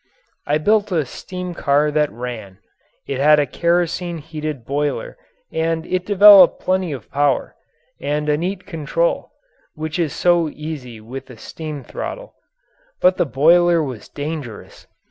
I built a steam car that ran. It had a kerosene heated boiler and it developed plenty of power and a neat control which is so easy with a steam throttle. But the boiler was dangerous.